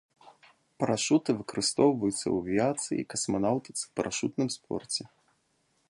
Парашуты выкарыстоўваюцца ў авіяцыі, касманаўтыцы, парашутным спорце.